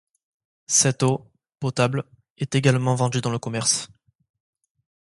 Cette eau, potable, est également vendue dans le commerce.